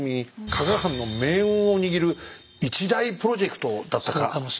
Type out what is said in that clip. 加賀藩の命運を握る一大プロジェクトだったかもしれないですね。